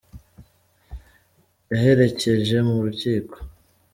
yaherekeje mu rukiko